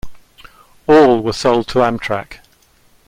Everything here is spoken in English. All were sold to Amtrak.